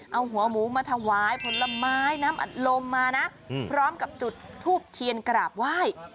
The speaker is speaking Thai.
เอาหัวหมูมาถวายผลไม้น้ำอัดลมมานะพร้อมกับจุดทูบเทียนกราบไหว้